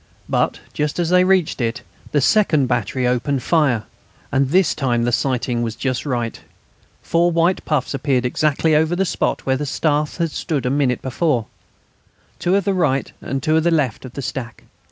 But just as they reached it the second battery opened fire, and this time the sighting was just right. The four white puffs appeared exactly over the spot where the Staff had stood a minute before two to the right and two to the left of the stack.